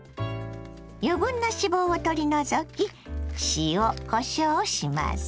余分な脂肪を取り除き塩こしょうをします。